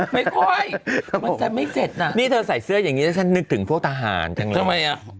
มันจะไม่เสร็จนะนี่เธอใส่เสื้ออย่างนี้ฉันนึกถึงพวกทหารจังเลย